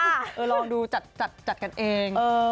เออลองดูจัดจัดกันเอง